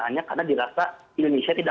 hanya karena dirasa indonesia tidak